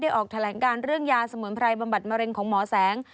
ออกแถลงการเรื่องยาสมุนไพรบำบัดมะเร็งของหมอแสง